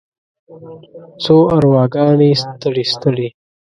څو ارواګانې ستړې، ستړې